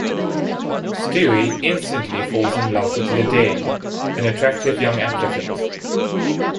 Stewie instantly falls in love with Liddane, an attractive young applicant.